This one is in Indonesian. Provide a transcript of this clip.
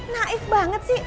naif banget sih